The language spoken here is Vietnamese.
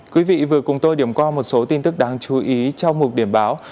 quý vị vừa cùng tôi điểm qua một số tin tức đáng chú ý trong một điểm báo